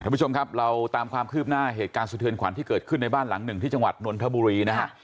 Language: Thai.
ผู้ชมครับเราตามความคืบหน้าเหตุการณ์สะเทือนขวัญที่เกิดขึ้นในบ้านหลังหนึ่งที่จังหวัดนนทบุรีนะฮะ